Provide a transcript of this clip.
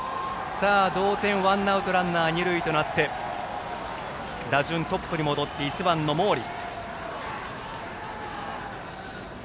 同点、ワンアウトランナー、二塁となって打順、トップに戻って１番の毛利。